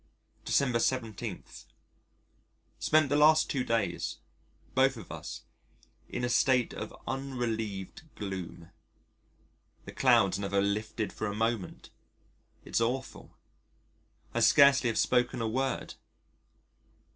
December 17. Spent the last two days, both of us, in a state of unrelieved gloom. The clouds never lifted for a moment it's awful. I scarcely have spoken a word....